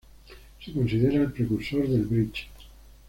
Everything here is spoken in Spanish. Se considera el precursor del bridge.